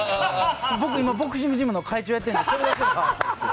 僕今ボクシングジムの会長やってるんでそれだけは。